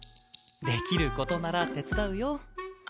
できる事なら手伝うよ？